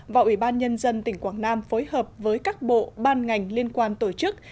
và ủy ban nhân dân tỉnh quảng nam phối hợp với các bộ ban ngành liên quan tổ chức